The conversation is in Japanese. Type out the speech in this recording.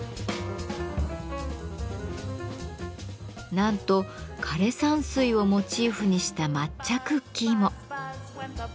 なんと枯れ山水をモチーフにした抹茶クッキーも。